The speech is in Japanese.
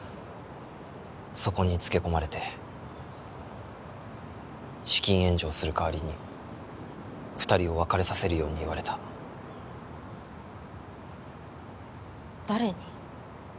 そこにつけ込まれて資金援助をする代わりに二人を別れさせるように言われた誰に？